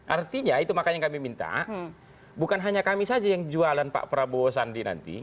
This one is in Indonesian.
artinya itu makanya kami minta bukan hanya kami saja yang jualan pak prabowo sandi nanti